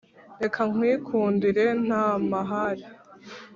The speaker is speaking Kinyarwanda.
Reka nkwikundire ntamahari